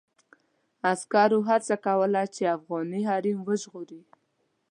عسکرو هڅه کوله چې افغاني حريم وژغوري.